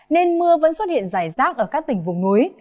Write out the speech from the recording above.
nên mưa vẫn xuất hiện rải rác ở các tỉnh vùng núi